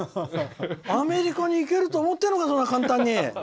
アメリカに行けると思ってるのかそんな簡単に！